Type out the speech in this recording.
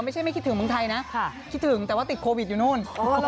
ไม่คิดถึงเมืองไทยนะคิดถึงแต่ว่าติดโควิดอยู่นู่น